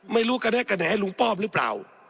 ไม่รู้กระแนะกระแห่ลุงป้อมหรือเปล่า